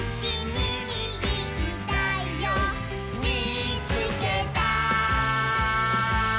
「みいつけた」